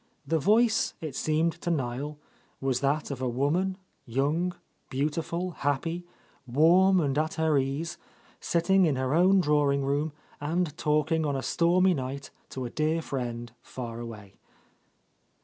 The voice, it seemed to Niel, was that of a woman, young, beautiful, happy, — ^warm and at her ease, sitting in her own drawing room and talking on a stormy night to a dear friend far away.